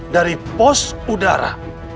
dari pos udara